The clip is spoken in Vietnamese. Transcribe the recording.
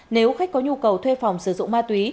nếu khách có nhu cầu thuê phòng sử dụng ma túy